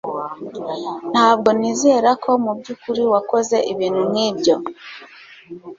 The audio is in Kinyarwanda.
Ntabwo nizera ko mubyukuri wakoze ibintu nkibyo